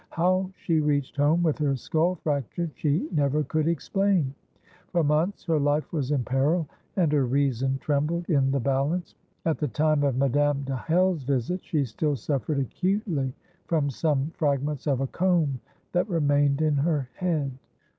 How she reached home with her skull fractured she never could explain. For months her life was in peril, and her reason trembled in the balance. At the time of Madame de Hell's visit she still suffered acutely from some fragments of a comb that remained in her head.